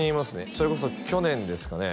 それこそ去年ですかね